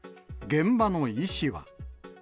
現場の医師は。